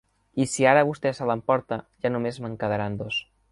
I si ara vostè se l'emporta ja només me'n quedaran dos.